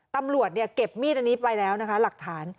ตำรวจเก็บมีดอันนี้ไปแล้วนะคะหลักฐาน